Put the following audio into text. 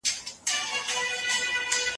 نورو ته تکلیف مه ورکوئ.